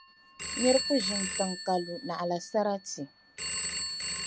Nira ku ʒini tiŋa ka lu naɣla sarati.